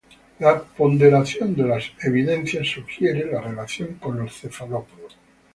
La ponderación de las evidencias sugiere que la relación con los cefalópodos.